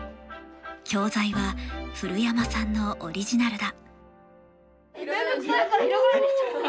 教材は古山さんのオリジナルだ。